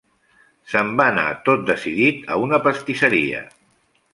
Se’n va anar tot decidit a una pastisseria.